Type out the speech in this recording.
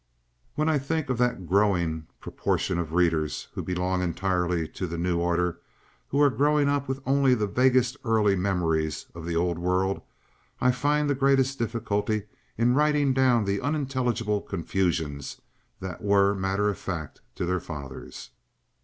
When I think of that growing proportion of readers who belong entirely to the new order, who are growing up with only the vaguest early memories of the old world, I find the greatest difficulty in writing down the unintelligible confusions that were matter of fact to their fathers.